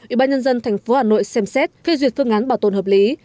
ủy ban nhân dân thành phố hà nội xem xét phê duyệt phương án bảo tồn hợp lý